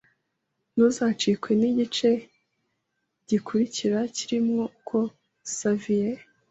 Ntuzacikwe n’igice gikurikira kirimo uko Xavier